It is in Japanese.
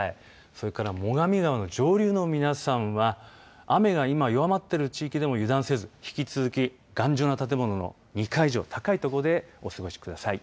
それから最上川の上流の皆さんは雨が今弱まっている地域でも油断をせずに引き続き頑丈な建物の２階以上の高い所でお過ごしください。